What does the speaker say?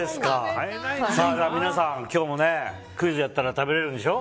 皆さん、今日もクイズやったら食べれるんでしょ。